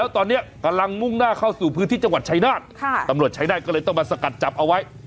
ตอนนี้กำลังมุ่งหน้าเข้าสู่พื้นที่จังหวัดชายนาฏตำรวจใช้ได้ก็เลยต้องมาสกัดจับเอาไว้